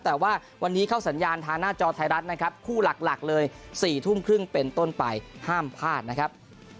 แต่ว่าวันนี้เข้าสัญญาณทางหน้าจอไทยรัฐนะครับคู่หลักเลย๔ทุ่มครึ่งเป็นต้นไปห้ามพลาดนะครับ